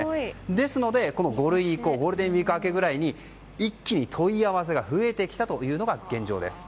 ですので、５類移行ゴールデンウィーク明けぐらいに一気に問い合わせが増えてきたというのが現状です。